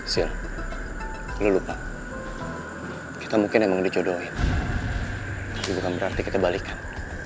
sil lo lupa kita mungkin emang dicodohin tapi bukan berarti kita kebalikan